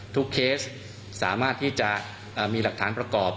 เคสสามารถที่จะมีหลักฐานประกอบ